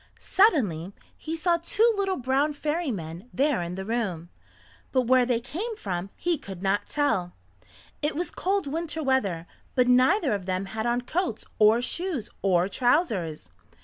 Suddenly he saw two little brown fairy men there in the room, but where they came from he could not tell. It was cold winter weather, but neither of them had on coats or shoes or trousers.